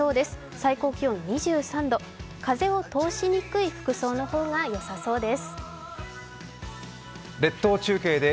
最高気温２３度、風を通しにくい服装のほうがよさそうです。